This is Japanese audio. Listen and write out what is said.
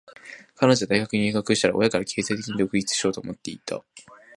彼女は大学に入学したら、親から経済的に独立しようと思っていた。